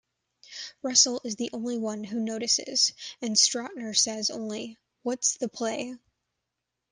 Russell is the only one who notices, and Stautner says only, What's the play?